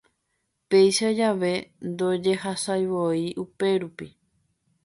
Péicha jave ndojehasaivoi upérupi.